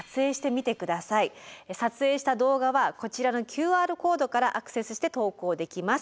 撮影した動画はこちらのＱＲコードからアクセスして投稿できます。